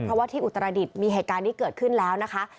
เพราะว่าที่อุตรดิษฐ์มีเหตุการณ์นี้เกิดขึ้นแล้วนะคะ